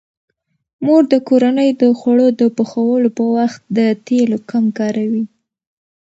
مور د کورنۍ د خوړو د پخولو په وخت د تیلو کم کاروي.